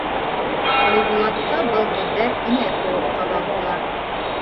Айбулатҡа был һүҙҙәр энә кеүек ҡаҙалдылар.